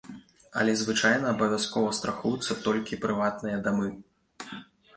Але звычайна абавязкова страхуюцца толькі прыватныя дамы.